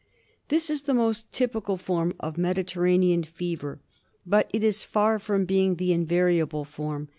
This is the most typical form of Mediterranean fever; but it is far from being the invariable form.